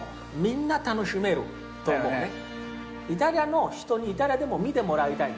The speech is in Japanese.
イタリアの人にイタリアでも見てもらいたいですよ。